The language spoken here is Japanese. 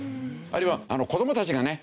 あるいは子どもたちがね